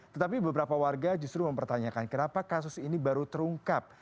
tetapi beberapa warga justru mempertanyakan kenapa kasus ini baru terungkap